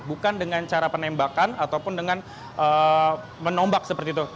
bukan dengan cara penembakan ataupun dengan menombak seperti itu